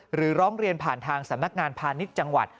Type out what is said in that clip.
หรือร้องเรียนผ่านทางสำนักงานพาณิชย์จังหวัด